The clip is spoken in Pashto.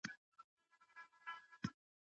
اړتیا یې نه لیدله چي د نورو ژبي او په ځانګړي ډول